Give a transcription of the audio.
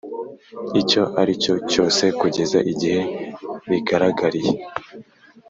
Icyo ari cyo cyose kugeza igihe bigaragariye